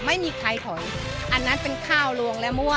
ไม่มีใครถอยอันนั้นเป็นข้าวลวงและมั่ว